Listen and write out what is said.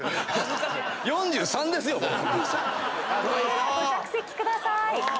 さあご着席ください。